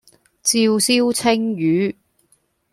照燒鯖魚